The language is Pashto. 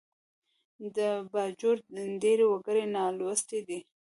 د باجوړ ډېر وګړي نالوستي دي